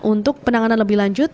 untuk penanganan lebih lanjut